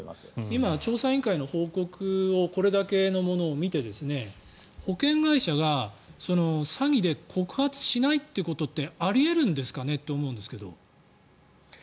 今、調査委員会の報告をこれだけのものを見て保険会社が詐欺で告発しないことってあり得るんですかねって思うんですけど。